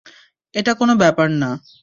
এটা কোনো ছোট ব্যাপার না।